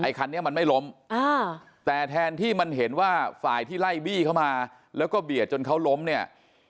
คันนี้มันไม่ล้มแต่แทนที่มันเห็นว่าฝ่ายที่ไล่บี้เข้ามาแล้วก็เบียดจนเขาล้มเนี่ย